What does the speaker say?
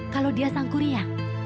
kalau dia sangku ria